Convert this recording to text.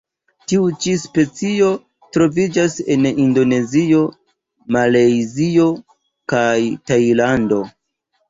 Tiu ĉi specio troviĝas en Indonezio, Malajzio kaj Tajlando.